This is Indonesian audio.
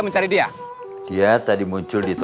masalah sudah alexandra